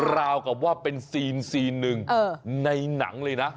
ราวกับว่าเป็นซีนซีนหนึ่งในหนังเลยนะ